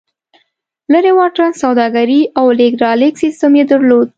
لرې واټن سوداګري او لېږد رالېږد سیستم یې درلود.